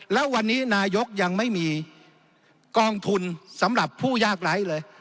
แล้ววันนี้นายกยังไม่มีกองทุนสำหรับผู้ยากไร้เลย